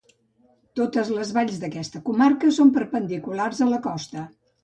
Totes les valls d'aquesta comarca són perpendiculars a la costa.